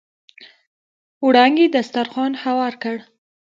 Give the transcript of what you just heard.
وړانګې دسترخوان هوار کړ.